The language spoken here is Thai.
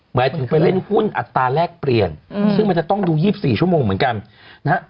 หมายถึงไปเล่นหุ้นอัตราแรกเปลี่ยนซึ่งมันจะต้องดู๒๔ชั่วโมงเหมือนกันนะฮะ